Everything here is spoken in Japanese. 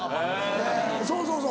そうそうそう。